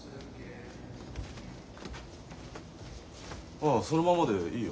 ああそのままでいいよ。